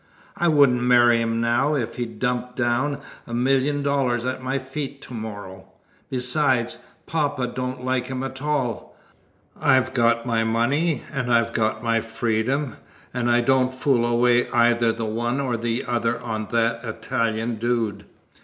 I wouldn't marry him now if he dumped down a million dollars at my feet to morrow. Besides, poppa don't like him at all. I've got my money, and I've got my freedom, and I don't fool away either the one or the other on that Italian dude!"